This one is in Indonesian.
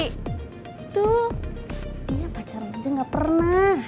itu dia pacar aja gak pernah